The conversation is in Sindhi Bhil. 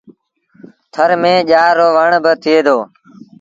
ٿر ميݩ ڄآر رو وڻ با ٿئي دو۔